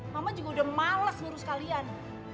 mama juga udah malak ngurus kalian